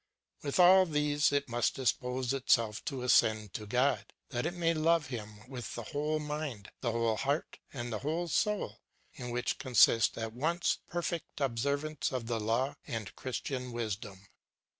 With all these it must dispose itself to ascend to God, that it may love him with the whole mind, the whole heart, and the whole soul, in wliich con sist at once perfect observance of the law and Christian Wisdom.